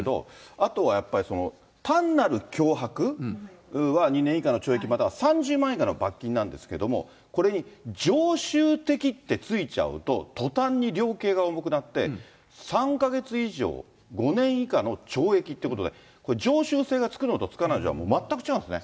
あとはやっぱり、単なる脅迫は２年以下の懲役、または３０万円以下の罰金なんですけれども、これに常習的ってついちゃうと、とたんに量刑が重くなって、３か月以上５年以下の懲役ってことで、これ、常習性がつくのとつかないのじゃ全く違うんですね。